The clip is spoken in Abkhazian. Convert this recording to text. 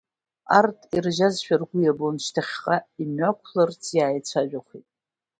Арҭ иржьазшәа ргәы иабан, шьҭахьҟа имҩақәларц иааицәажәақәеит.